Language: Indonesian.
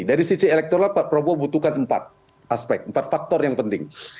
dari sisi elektoral pak prabowo butuhkan empat aspek empat faktor yang penting